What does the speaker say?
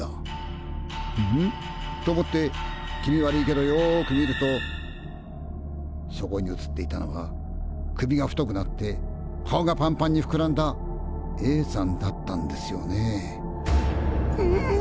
「んんっ！？」と思って気味悪いけどよく見るとそこに映っていたのは首が太くなって顔がパンパンにふくらんだＡさんだったんですよね。